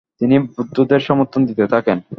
তিনি বৌদ্ধদের সমর্থন দিতে থাকেন।